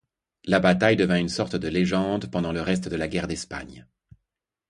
La bataille devint une sorte de légende pendant le reste de la Guerre d'Espagne.